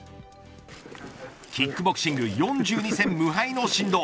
キックボクシング４２戦無敗の神童